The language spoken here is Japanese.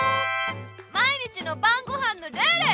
毎日のばんごはんのルール！